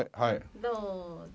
どうぞ。